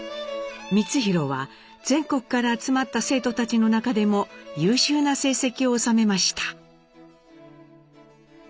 光宏は全国から集まった生徒たちの中でも優秀な成績を収めました。